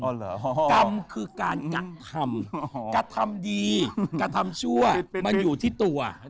กรรมคือการกระทำกระทำดีกระทำชั่วมันอยู่ที่ตัว